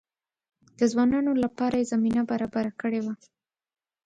د ځوانانو لپاره یې زمینه برابره کړې وه.